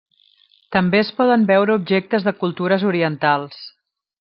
També es poden veure objectes de cultures orientals.